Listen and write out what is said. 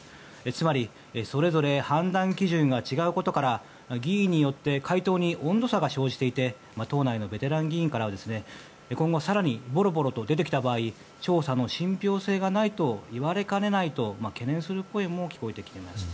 つまり、それぞれ判断基準が違うことから議員によって回答に温度差が生じていて党内のベテラン議員からは今後、更にぼろぼろと出てきた場合調査の信ぴょう性がないといわれかねないと懸念する声も聞こえてきています。